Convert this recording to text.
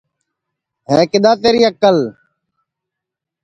ہے کِدؔا تیری اکل